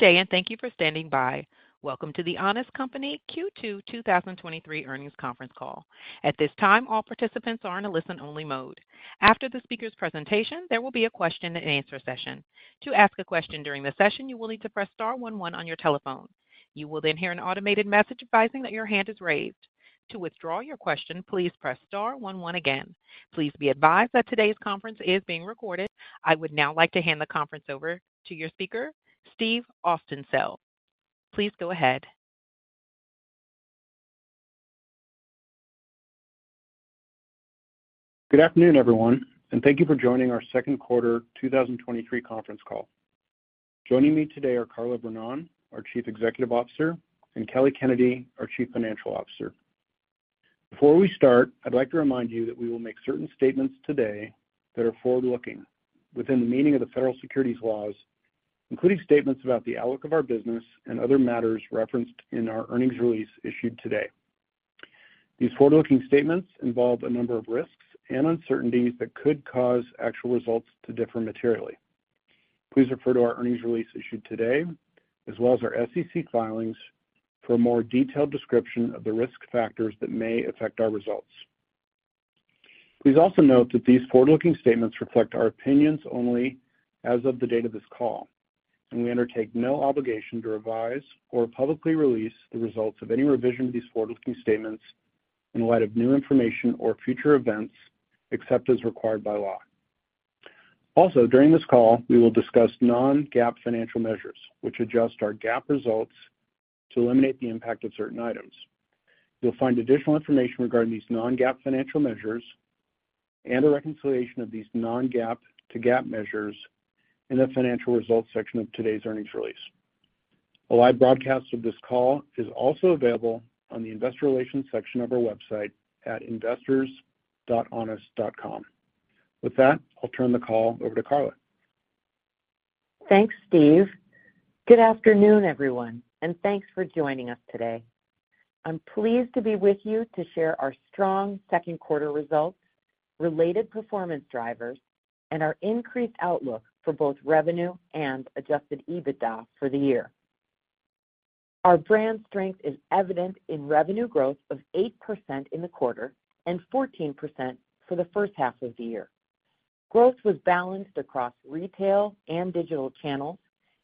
day, and thank you for standing by. Welcome to The Honest Company Q2 2023 earnings conference call. At this time, all participants are in a listen-only mode. After the speaker's presentation, there will be a question-and-answer session. To ask a question during the session, you will need to press star one one on your telephone. You will then hear an automated message advising that your hand is raised. To withdraw your question, please press star one one again. Please be advised that today's conference is being recorded. I would now like to hand the conference over to your speaker, Steve Austenfeld. Please go ahead. Good afternoon, everyone, and thank you for joining our second quarter 2023 conference call. Joining me today are Carla Vernón, our Chief Executive Officer, and Kelly Kennedy, our Chief Financial Officer. Before we start, I'd like to remind you that we will make certain statements today that are forward-looking within the meaning of the federal securities laws, including statements about the outlook of our business and other matters referenced in our earnings release issued today. These forward-looking statements involve a number of risks and uncertainties that could cause actual results to differ materially. Please refer to our earnings release issued today, as well as our SEC filings, for a more detailed description of the risk factors that may affect our results. Please also note that these forward-looking statements reflect our opinions only as of the date of this call, and we undertake no obligation to revise or publicly release the results of any revision to these forward-looking statements in light of new information or future events, except as required by law. Also, during this call, we will discuss non-GAAP financial measures, which adjust our GAAP results to eliminate the impact of certain items. You'll find additional information regarding these non-GAAP financial measures and a reconciliation of these non-GAAP to GAAP measures in the financial results section of today's earnings release. A live broadcast of this call is also available on the investor relations section of our website at investors.honest.com. With that, I'll turn the call over to Carla. Thanks, Steve. Good afternoon, everyone, thanks for joining us today. I'm pleased to be with you to share our strong second quarter results, related performance drivers, and our increased outlook for both revenue and adjusted EBITDA for the year. Our brand strength is evident in revenue growth of 8% in the quarter and 14% for the first half of the year. Growth was balanced across retail and digital channels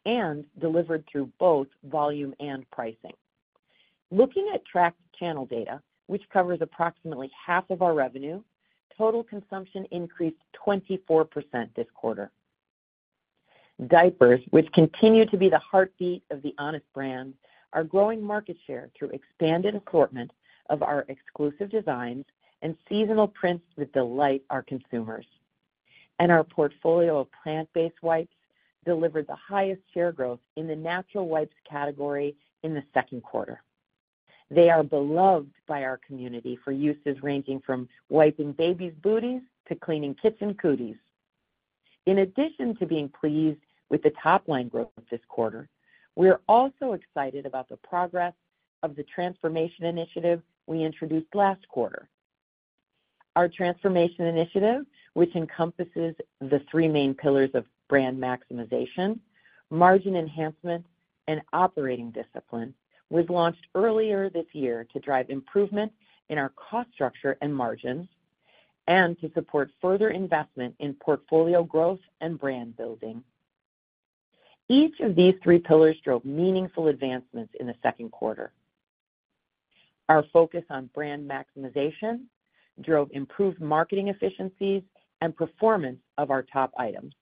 and delivered through both volume and pricing. Looking at tracked channel data, which covers approximately half of our revenue, total consumption increased 24% this quarter. Diapers, which continue to be the heartbeat of the Honest brand, are growing market share through expanded assortment of our exclusive designs and seasonal prints that delight our consumers. Our portfolio of plant-based wipes delivered the highest share growth in the natural wipes category in the second quarter. They are beloved by our community for uses ranging from wiping babies' booties to cleaning kids and cooties. In addition to being pleased with the top-line growth this quarter, we are also excited about the progress of the transformation initiative we introduced last quarter. Our transformation initiative, which encompasses the three main pillars of brand maximization, margin enhancement, and operating discipline, was launched earlier this year to drive improvement in our cost structure and margins and to support further investment in portfolio growth and brand building. Each of these three pillars drove meaningful advancements in the second quarter. Our focus on brand maximization drove improved marketing efficiencies and performance of our top items.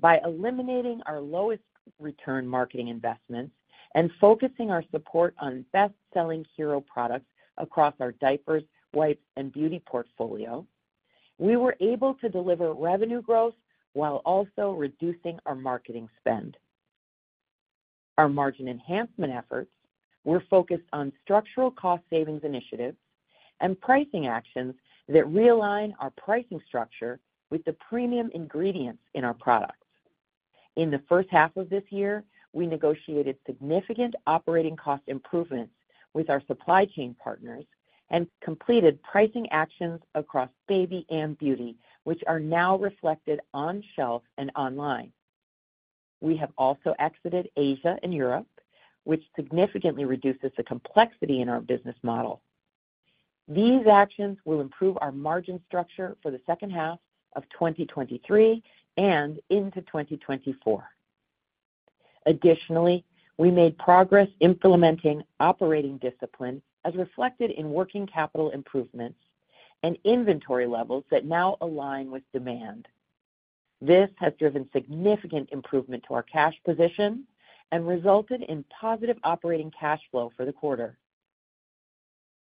By eliminating our lowest return marketing investments and focusing our support on best-selling hero products across our diapers, wipes, and beauty portfolio, we were able to deliver revenue growth while also reducing our marketing spend. Our margin enhancement efforts were focused on structural cost savings initiatives and pricing actions that realign our pricing structure with the premium ingredients in our products. In the first half of this year, we negotiated significant operating cost improvements with our supply chain partners and completed pricing actions across baby and beauty, which are now reflected on shelf and online. We have also exited Asia and Europe, which significantly reduces the complexity in our business model. These actions will improve our margin structure for the second half of 2023 and into 2024. Additionally, we made progress implementing operating discipline, as reflected in working capital improvements and inventory levels that now align with demand. This has driven significant improvement to our cash position and resulted in positive operating cash flow for the quarter.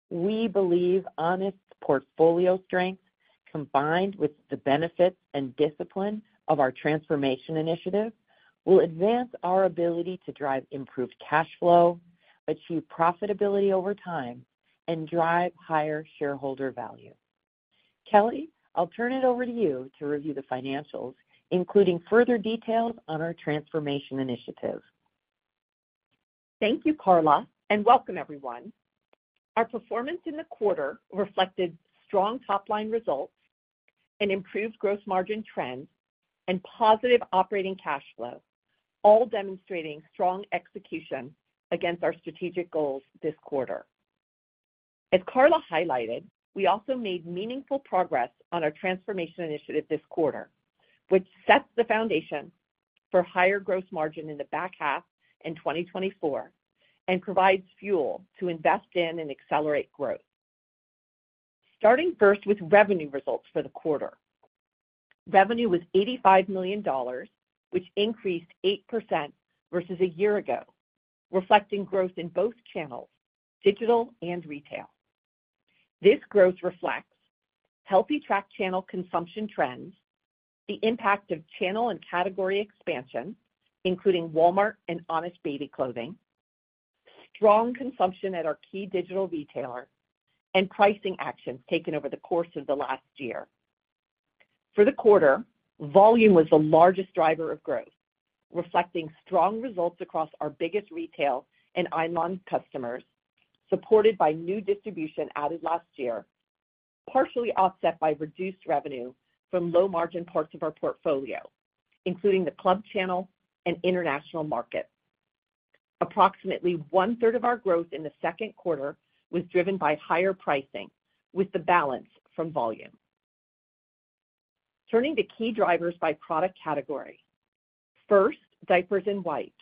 We believe Honest's portfolio strength, combined with the benefits and discipline of our transformation initiative, will advance our ability to drive improved cash flow, achieve profitability over time, and drive higher shareholder value. Kelly, I'll turn it over to you to review the financials, including further details on our transformation initiative. Thank you, Carla, welcome everyone. Our performance in the quarter reflected strong top-line results and improved gross margin trends and positive operating cash flow, all demonstrating strong execution against our strategic goals this quarter. As Carla highlighted, we also made meaningful progress on our transformation initiative this quarter, which sets the foundation for higher growth margin in the back half in 2024, and provides fuel to invest in and accelerate growth. Starting first with revenue results for the quarter. Revenue was $85 million, which increased 8% versus a year ago, reflecting growth in both channels, digital and retail. This growth reflects healthy track channel consumption trends, the impact of channel and category expansion, including Walmart and Honest Baby Clothing, strong consumption at our key digital retailer, and pricing actions taken over the course of the last year. For the quarter, volume was the largest driver of growth, reflecting strong results across our biggest retail and online customers, supported by new distribution added last year, partially offset by reduced revenue from low-margin parts of our portfolio, including the club channel and international markets. Approximately one-third of our growth in the second quarter was driven by higher pricing, with the balance from volume. Turning to key drivers by product category. First, diapers and wipes.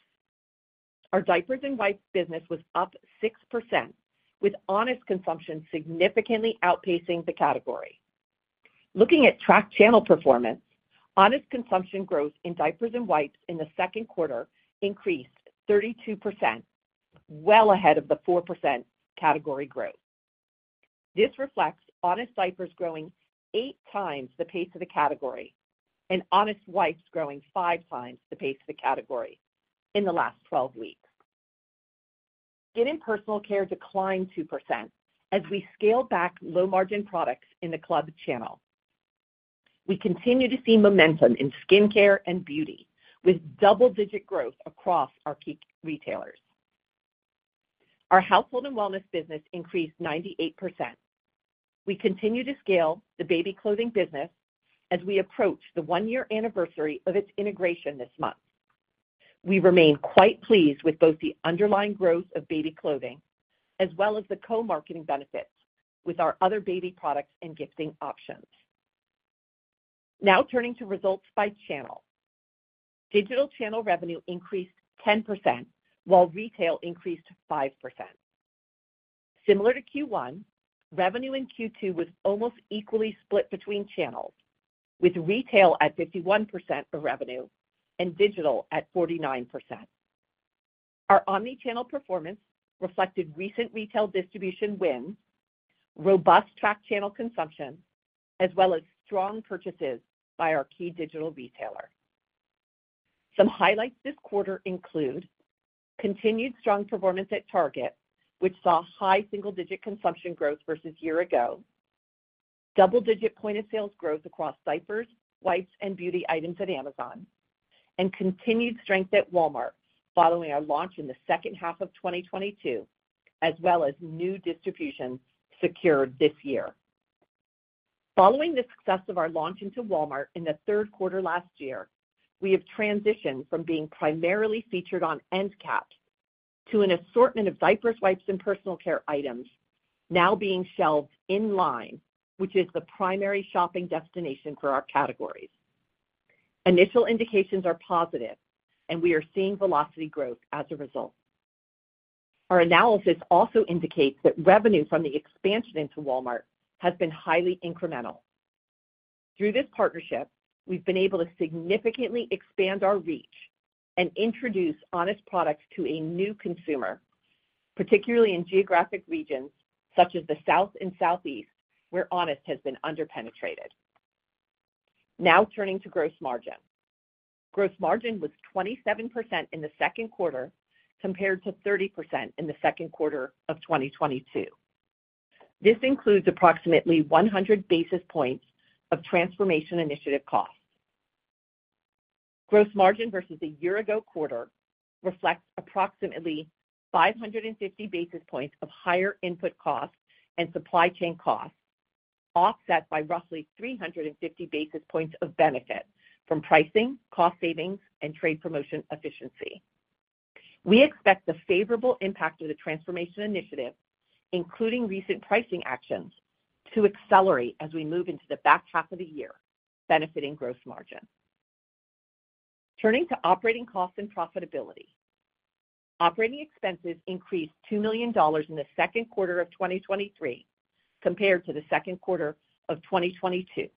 Our diapers and wipes business was up 6%, with Honest consumption significantly outpacing the category. Looking at track channel performance, Honest consumption growth in diapers and wipes in the second quarter increased 32%, well ahead of the 4% category growth. This reflects Honest diapers growing 8 times the pace of the category, and Honest wipes growing 5 times the pace of the category in the last 12 weeks. Skin and personal care declined 2% as we scaled back low-margin products in the club channel. We continue to see momentum in skincare and beauty, with double-digit growth across our key retailers. Our household and wellness business increased 98%. We continue to scale the baby clothing business as we approach the 1-year anniversary of its integration this month. We remain quite pleased with both the underlying growth of baby clothing as well as the co-marketing benefits with our other baby products and gifting options. Now turning to results by channel. Digital channel revenue increased 10%, while retail increased 5%. Similar to Q1, revenue in Q2 was almost equally split between channels, with retail at 51% of revenue and digital at 49%. Our omni-channel performance reflected recent retail distribution wins, robust club channel consumption, as well as strong purchases by our key digital retailer. Some highlights this quarter include: continued strong performance at Target, which saw high single-digit consumption growth versus year ago; double-digit point of sales growth across diapers, wipes, and beauty items at Amazon; and continued strength at Walmart following our launch in the second half of 2022, as well as new distribution secured this year. Following the success of our launch into Walmart in the third quarter last year, we have transitioned from being primarily featured on end cap to an assortment of diapers, wipes, and personal care items now being shelved in line, which is the primary shopping destination for our categories. Initial indications are positive, and we are seeing velocity growth as a result. Our analysis also indicates that revenue from the expansion into Walmart has been highly incremental. Through this partnership, we've been able to significantly expand our reach and introduce Honest products to a new consumer, particularly in geographic regions such as the South and Southeast, where Honest has been under-penetrated. Turning to gross margin. Gross margin was 27% in the second quarter, compared to 30% in the second quarter of 2022. This includes approximately 100 basis points of transformation initiative costs. Gross margin versus a year ago quarter reflects approximately 550 basis points of higher input costs and supply chain costs, offset by roughly 350 basis points of benefit from pricing, cost savings, and trade promotion efficiency. We expect the favorable impact of the transformation initiative, including recent pricing actions, to accelerate as we move into the back half of the year, benefiting gross margin. Turning to operating costs and profitability. Operating expenses increased $2 million in the second quarter of 2023 compared to the second quarter of 2022,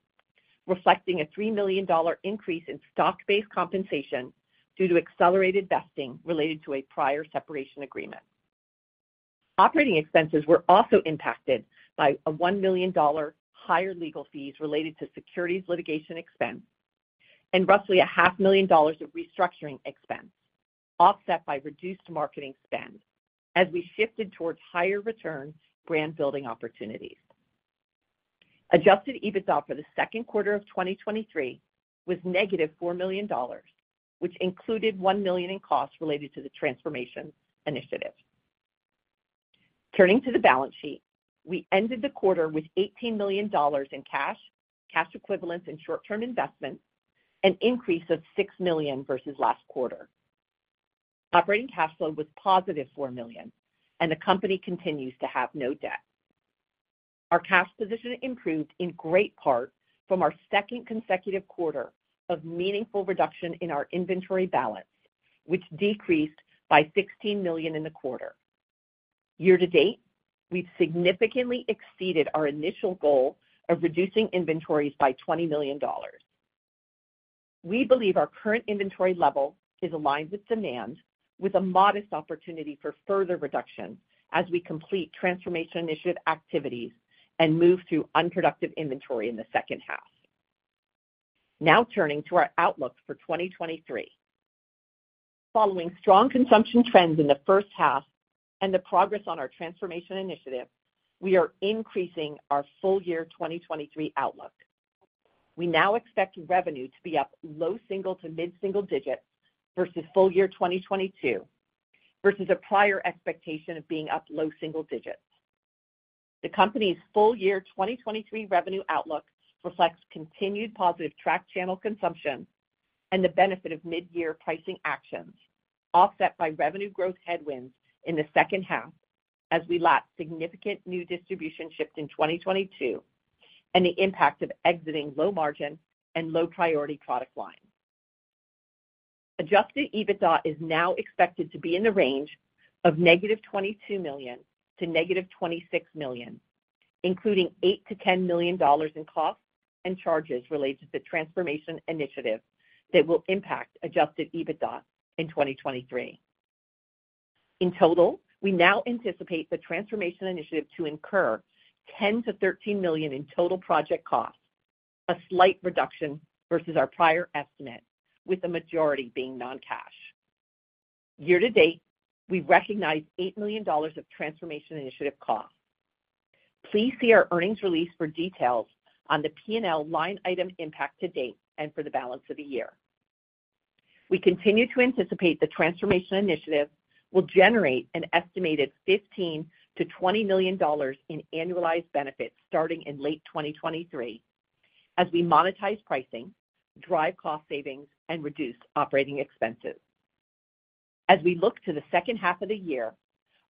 reflecting a $3 million increase in stock-based compensation due to accelerated vesting related to a prior separation agreement. Operating expenses were also impacted by a $1 million higher legal fees related to securities litigation expense and roughly $500,000 of restructuring expense, offset by reduced marketing spend as we shifted towards higher return brand building opportunities. Adjusted EBITDA for the second quarter of 2023 was -$4 million, which included $1 million in costs related to the transformation initiative. Turning to the balance sheet, we ended the quarter with $18 million in cash, cash equivalents, and short-term investments, an increase of $6 million versus last quarter. Operating cash flow was positive $4 million, and the company continues to have no debt. Our cash position improved in great part from our second consecutive quarter of meaningful reduction in our inventory balance, which decreased by $16 million in the quarter. Year to date, we've significantly exceeded our initial goal of reducing inventories by $20 million. We believe our current inventory level is aligned with demand, with a modest opportunity for further reduction as we complete transformation initiative activities and move through unproductive inventory in the second half. Turning to our outlook for 2023. Following strong consumption trends in the first half and the progress on our transformation initiative, we are increasing our full year 2023 outlook. We now expect revenue to be up low single to mid-single digits versus full year 2022, versus a prior expectation of being up low single digits. The company's full year 2023 revenue outlook reflects continued positive track channel consumption and the benefit of mid-year pricing actions, offset by revenue growth headwinds in the second half as we lap significant new distribution shifts in 2022 and the impact of exiting low margin and low priority product lines. Adjusted EBITDA is now expected to be in the range of -$22 million to -$26 million, including $8 million-$10 million in costs and charges related to the transformation initiative that will impact Adjusted EBITDA in 2023. In total, we now anticipate the transformation initiative to incur $10 million-$13 million in total project costs, a slight reduction versus our prior estimate, with the majority being non-cash. Year to date, we've recognized $8 million of transformation initiative costs. Please see our earnings release for details on the P&L line item impact to date and for the balance of the year. We continue to anticipate the transformation initiative will generate an estimated $15 million-$20 million in annualized benefits starting in late 2023, as we monetize pricing, drive cost savings, and reduce operating expenses. As we look to the second half of the year,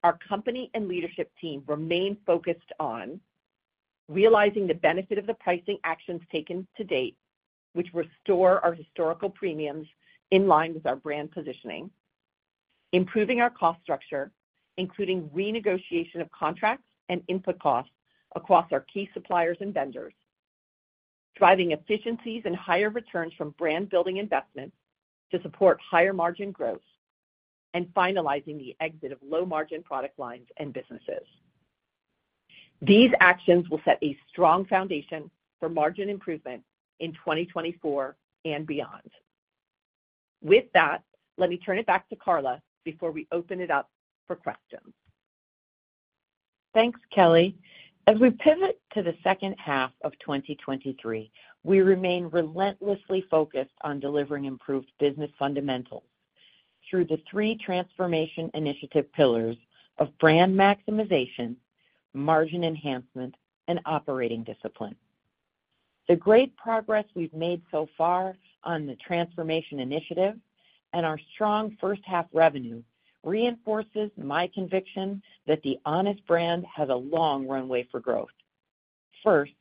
our company and leadership team remain focused on realizing the benefit of the pricing actions taken to date, which restore our historical premiums in line with our brand positioning, improving our cost structure, including renegotiation of contracts and input costs across our key suppliers and vendors, driving efficiencies and higher returns from brand-building investments to support higher margin growth, and finalizing the exit of low-margin product lines and businesses. These actions will set a strong foundation for margin improvement in 2024 and beyond. With that, let me turn it back to Carla before we open it up for questions. Thanks, Kelly. As we pivot to the second half of 2023, we remain relentlessly focused on delivering improved business fundamentals through the three transformation initiative pillars of brand maximization, margin enhancement, and operating discipline. The great progress we've made so far on the transformation initiative and our strong first half revenue reinforces my conviction that the Honest brand has a long runway for growth. First,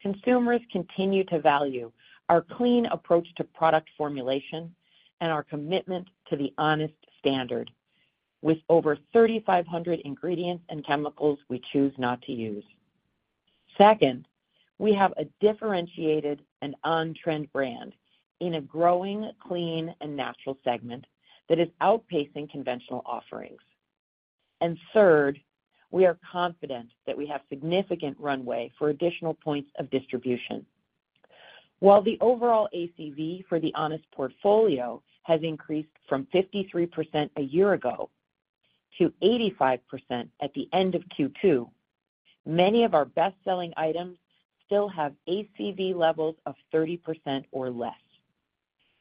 consumers continue to value our clean approach to product formulation and our commitment to the Honest Standard, with over 3,500 ingredients and chemicals we choose not to use. Second, we have a differentiated and on-trend brand in a growing clean and natural segment that is outpacing conventional offerings. Third, we are confident that we have significant runway for additional points of distribution. While the overall ACV for the Honest portfolio has increased from 53% a year ago to 85% at the end of Q2, many of our best-selling items still have ACV levels of 30% or less,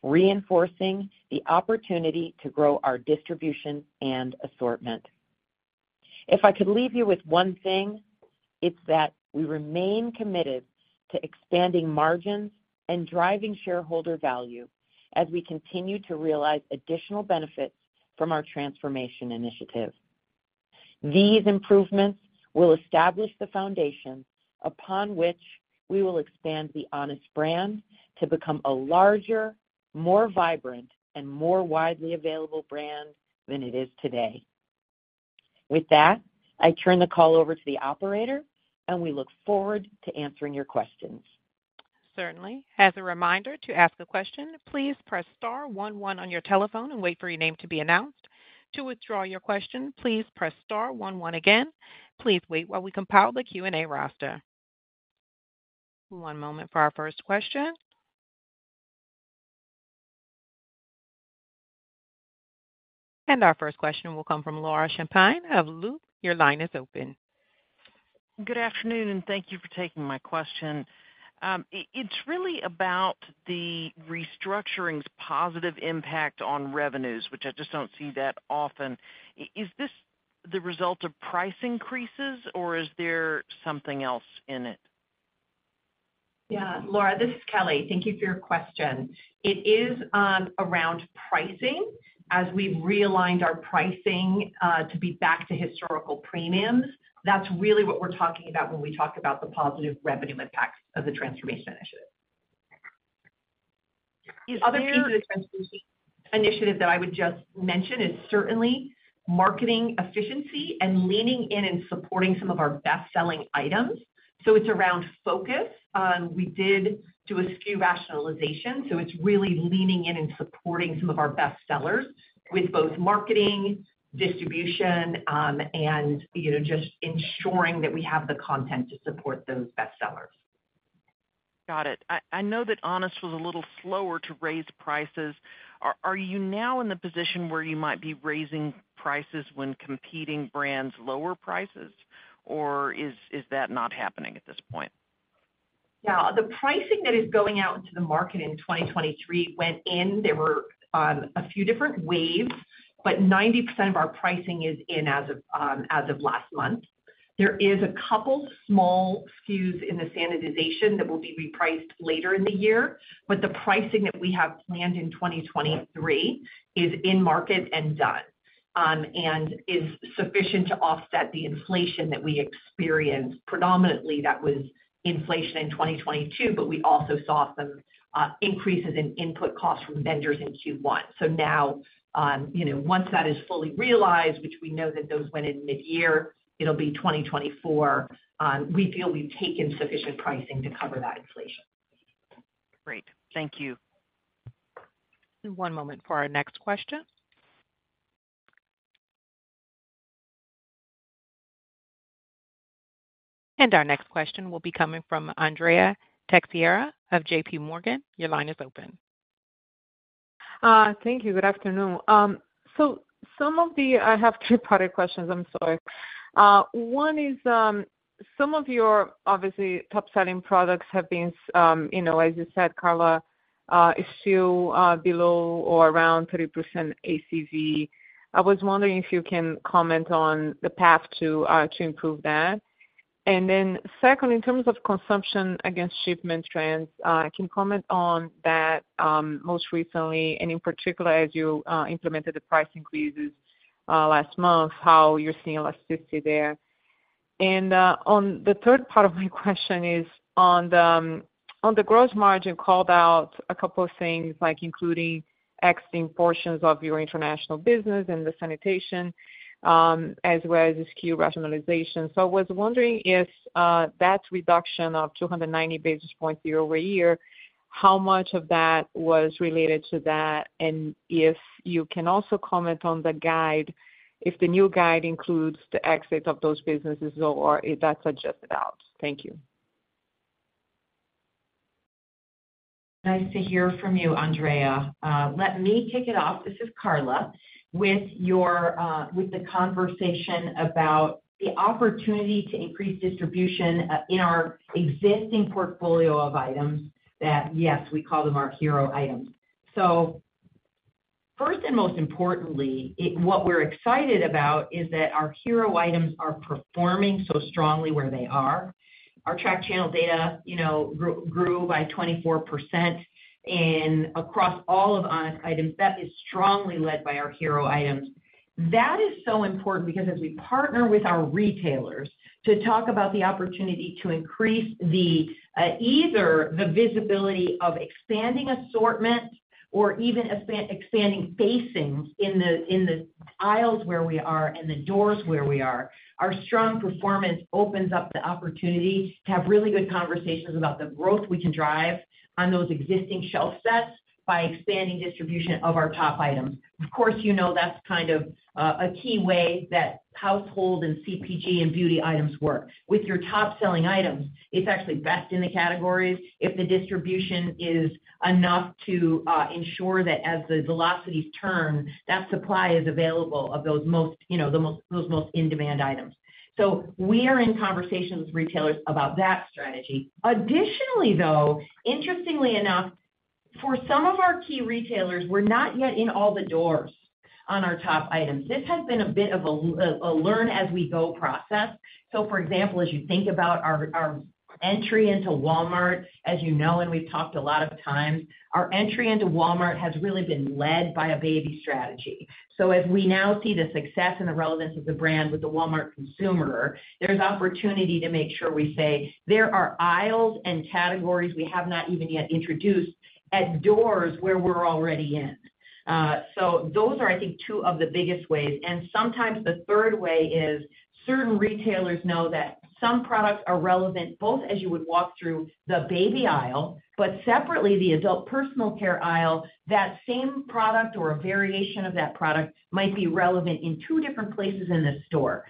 reinforcing the opportunity to grow our distribution and assortment. If I could leave you with one thing, it's that we remain committed to expanding margins and driving shareholder value as we continue to realize additional benefits from our transformation initiative. These improvements will establish the foundation upon which we will expand the Honest brand to become a larger, more vibrant, and more widely available brand than it is today. With that, I turn the call over to the operator, and we look forward to answering your questions. Certainly. As a reminder, to ask a question, please press star one one on your telephone and wait for your name to be announced. To withdraw your question, please press star one one again. Please wait while we compile the Q&A roster. One moment for our first question. Our first question will come from Laura Champine of Loop. Your line is open. Good afternoon, thank you for taking my question. It's really about the restructuring's positive impact on revenues, which I just don't see that often. Is this the result of price increases, or is there something else in it? Yeah, Laura, this is Kelly. Thank you for your question. It is around pricing. As we've realigned our pricing to be back to historical premiums, that's really what we're talking about when we talk about the positive revenue impact of the transformation initiative. Is there- Other pieces of transformation initiative that I would just mention is certainly marketing efficiency and leaning in and supporting some of our best-selling items, so it's around focus. We did do a SKU rationalization, so it's really leaning in and supporting some of our best sellers with both marketing, distribution, and, you know, just ensuring that we have the content to support those best sellers. Got it. I, I know that Honest was a little slower to raise prices. Are, are you now in the position where you might be raising prices when competing brands lower prices, or is, is that not happening at this point? Yeah, the pricing that is going out into the market in 2023 went in, there were a few different waves, but 90% of our pricing is in as of last month. There is a couple small SKUs in the sanitization that will be repriced later in the year, but the pricing that we have planned in 2023 is in market and done, and is sufficient to offset the inflation that we experienced. Predominantly, that was inflation in 2022, but we also saw some increases in input costs from vendors in Q1. Now, you know, once that is fully realized, which we know that those went in midyear, it'll 2024, we feel we've taken sufficient pricing to cover that inflation. Great. Thank you. One moment for our next question. Our next question will be coming from Andrea Teixeira of JPMorgan. Your line is open. Thank you. Good afternoon. Some of the-- I have two product questions, I'm sorry. One is, some of your, obviously, top-selling products have been, you know, as you said, Carla, is still, below or around 30% ACV. I was wondering if you can comment on the path to improve that. Then second, in terms of consumption against shipment trends, can you comment on that, most recently, and in particular, as you implemented the price increases, last month, how you're seeing elasticity there? On the third part of my question is on the, on the gross margin, called out a couple of things, like including exiting portions of your international business and the sanitization, as well as the SKU rationalization. I was wondering if that reduction of 290 basis points year-over-year, how much of that was related to that, and if you can also comment on the guide, if the new guide includes the exits of those businesses or if that's adjusted out? Thank you. Nice to hear from you, Andrea. Let me kick it off, this is Carla, with your, with the conversation about the opportunity to increase distribution, in our existing portfolio of items that, yes, we call them our hero items. First and most importantly, what we're excited about is that our hero items are performing so strongly where they are. Our track channel data, you know, grew by 24% in, across all of Honest items. That is strongly led by our hero items. That is so important because as we partner with our retailers to talk about the opportunity to increase the, either the visibility of expanding assortment or even expanding facings in the, in the aisles where we are and the doors where we are, our strong performance opens up the opportunity to have really good conversations about the growth we can drive on those existing shelf sets by expanding distribution of our top items. Of course, you know that's kind of, a key way that household and CPG and beauty items work. With your top-selling items, it's actually best in the categories if the distribution is enough to ensure that as the velocities turn, that supply is available of those most, you know, the most, those most in-demand items. We are in conversations with retailers about that strategy. Additionally, though, interestingly enough, for some of our key retailers, we're not yet in all the doors on our top items. This has been a bit of a learn-as-we-go process. For example, as you think about our, our entry into Walmart, as you know, and we've talked a lot of times, our entry into Walmart has really been led by a baby strategy. As we now see the success and the relevance of the brand with the Walmart consumer, there's opportunity to make sure we say, "There are aisles and categories we have not even yet introduced at doors where we're already in." Those are, I think, two of the biggest ways, and sometimes the third way is, certain retailers know that some products are relevant, both as you would walk through the baby aisle, but separately, the adult personal care aisle, that same product or a variation of that product might be relevant in two different places in the store.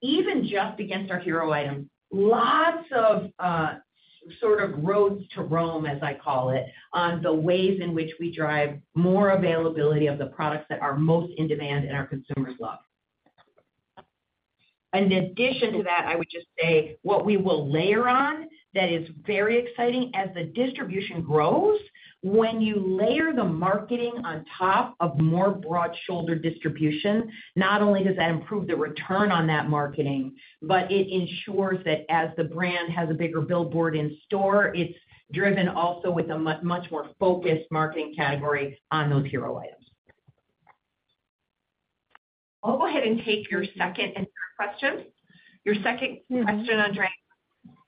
Even just against our hero items, lots of, sort of roads to Rome, as I call it, on the ways in which we drive more availability of the products that are most in demand and our consumers love. In addition to that, I would just say what we will layer on, that is very exciting. As the distribution grows, when you layer the marketing on top of more broad-shouldered distribution, not only does that improve the return on that marketing, but it ensures that as the brand has a bigger billboard in store, it's driven also with a much, much more focused marketing category on those hero items. I'll go ahead and take your second and third question. Your second question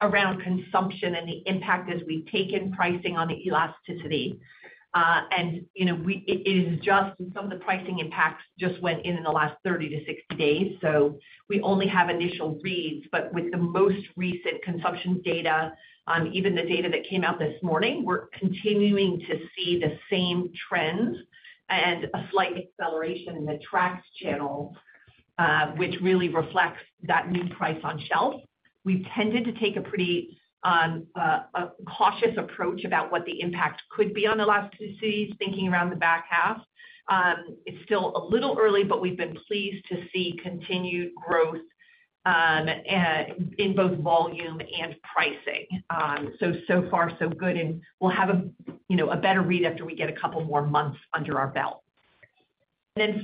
around consumption and the impact as we've taken pricing on the elasticity. You know, we-- it is just some of the pricing impacts just went in in the last 30 to 60 days, so we only have initial reads, but with the most recent consumption data, even the data that came out this morning, we're continuing to see the same trends and a slight acceleration in the tracks channel, which really reflects that new price on shelf. We've tended to take a pretty, a cautious approach about what the impact could be on elasticity, thinking around the back half. It's still a little early, but we've been pleased to see continued growth in both volume and pricing. So far, so good, and we'll have a, you know, a better read after we get a couple more months under our belt.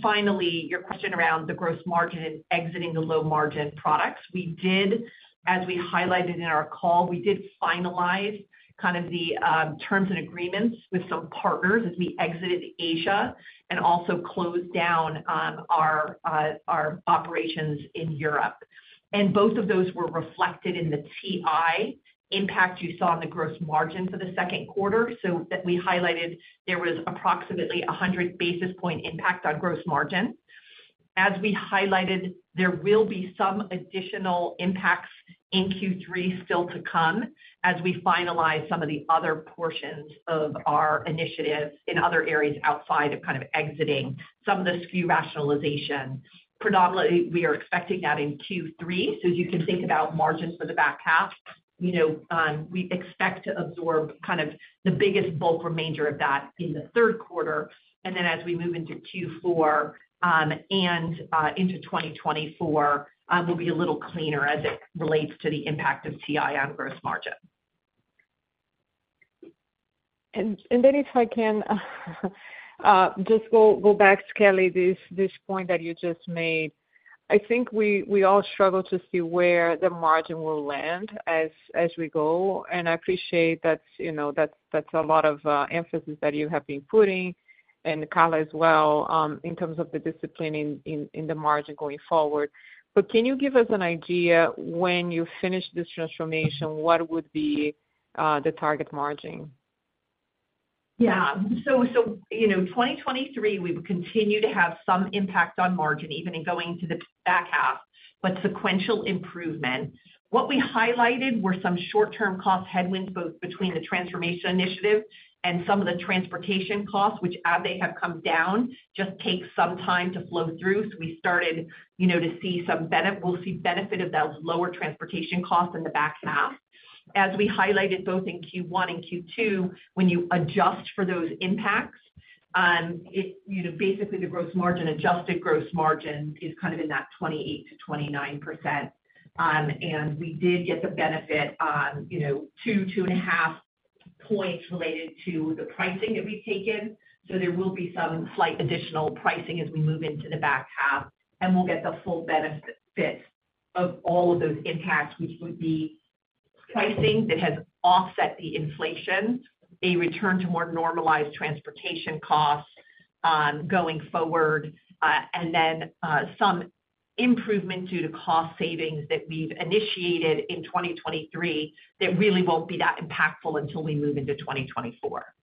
Finally, your question around the gross margin and exiting the low-margin products. We did, as we highlighted in our call, we did finalize kind of the terms and agreements with some partners as we exited Asia and also closed down our operations in Europe. Both of those were reflected in the TI impact you saw on the gross margin for the second quarter, so that we highlighted there was approximately a 100 basis point impact on gross margin. As we highlighted, there will be some additional impacts in Q3 still to come, as we finalize some of the other portions of our initiatives in other areas outside of kind of exiting some of the SKU rationalization. Predominantly, we are expecting that in Q3, so as you can think about margins for the back half, you know, we expect to absorb kind of the biggest bulk remainder of that in the third quarter. Then as we move into Q4, and into 2024, we'll be a little cleaner as it relates to the impact of TI on gross margin. Then if I can just go, go back to Kelly, this, this point that you just made. I think we, we all struggle to see where the margin will land as, as we go, and I appreciate that's, you know, that's, that's a lot of emphasis that you have been putting, and Carla as well, in terms of the discipline in, in, in the margin going forward. Can you give us an idea, when you finish this transformation, what would be the target margin? Yeah. You know, 2023, we would continue to have some impact on margin, even in going to the back half, but sequential improvement. What we highlighted were some short-term cost headwinds, both between the transformation initiative and some of the transportation costs, which as they have come down, just takes some time to flow through. We started, you know, to see some we'll see benefit of those lower transportation costs in the back half. As we highlighted, both in Q1 and Q2, when you adjust for those impacts, it, you know, basically, the gross margin, adjusted gross margin is kind of in that 28%-29%. We did get the benefit on, you know, 2-2.5 points related to the pricing that we've taken. There will be some slight additional pricing as we move into the back half, and we'll get the full benefit of all of those impacts, which would be pricing that has offset the inflation, a return to more normalized transportation costs, going forward, and then, some improvement due to cost savings that we've initiated in 2023, that really won't be that impactful until we move into 2024.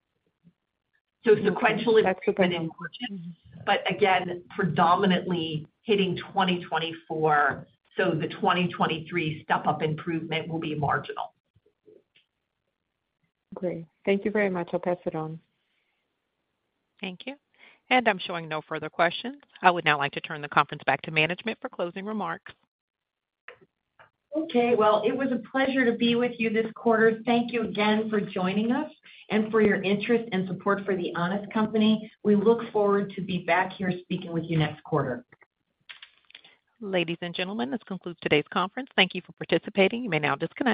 Sequentially- That's super good. Again, predominantly hitting 2024, so the 2023 step-up improvement will be marginal. Great. Thank you very much. I'll pass it on. Thank you. I'm showing no further questions. I would now like to turn the conference back to management for closing remarks. Okay, well, it was a pleasure to be with you this quarter. Thank you again for joining us and for your interest and support for The Honest Company. We look forward to be back here speaking with you next quarter. Ladies and gentlemen, this concludes today's conference. Thank you for participating. You may now disconnect.